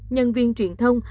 nhân viên truyền thông